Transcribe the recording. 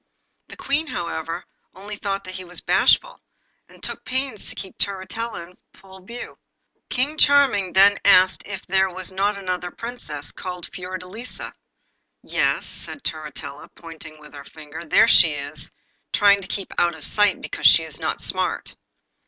The Queen, however, only thought that he was bashful, and took pains to keep Turritella in full view. King Charming then asked it there was not another Princess, called Fiordelisa. 'Yes,' said Turritella, pointing with her finger, 'there she is, trying to keep out of sight because she is not smart.